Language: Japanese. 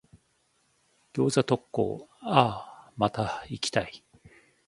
餃子特講、あぁ、また行きたい。